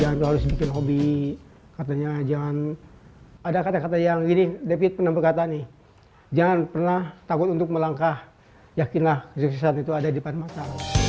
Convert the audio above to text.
jangan harus bikin hobi katanya jangan ada kata kata yang ini david pernah berkata nih jangan pernah takut untuk melangkah yakinlah kesuksesan itu ada di depan mata